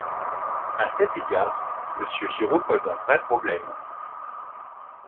À cet égard, Monsieur Giraud pose un vrai problème.